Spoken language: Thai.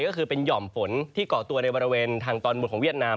ก็คือเป็นห่อมฝนที่เกาะตัวในบริเวณทางตอนบนของเวียดนาม